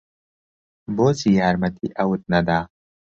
بۆچی یارمەتی ئەوت نەدا؟